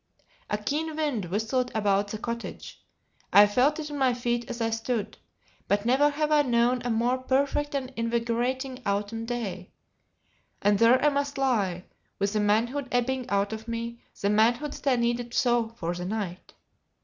A keen wind whistled about the cottage; I felt it on my feet as I stood; but never have I known a more perfect and invigorating autumn day. And there I must lie, with the manhood ebbing Out of me, the manhood that I needed so for the night!